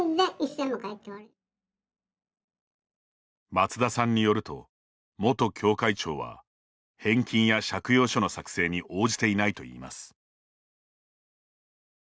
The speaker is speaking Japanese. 松田さんによると、元教会長は返金や借用書の作成に応じていないといいます。